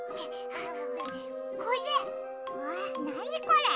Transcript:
これ。